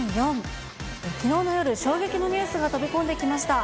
きのうの夜、衝撃のニュースが飛び込んできました。